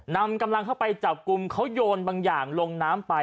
นำกำลังเข้าไปจับกลุ่มเขาโยนบางอย่างลงน้ำไป